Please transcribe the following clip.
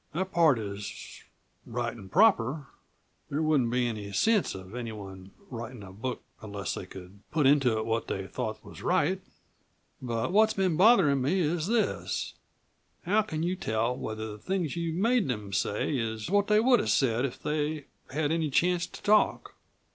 That part is right an' proper there wouldn't be any sense of anyone writin' a book unless they could put into it what they thought was right. But what's been botherin' me is this; how can you tell whether the things you've made them say is what they would have said if they'd had any chance to talk?